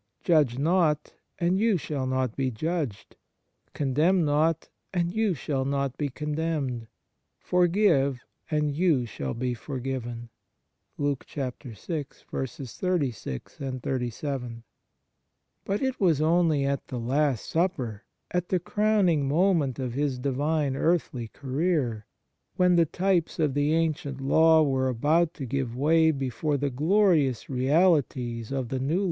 Judge not, and you shall not be judged. Condemn not, and you shall not be con demned. Forgive, and you shall be for given." 2 But it was only at the Last Supper, at the crowning moment of His Divine earthly career, when the types of the Ancient Law were about to give way before the glorious realities of the New 1 Matt.